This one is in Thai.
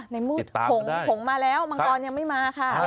ติดตามกันได้โหงมาแล้วมังกรยังไม่มาค่ะโหง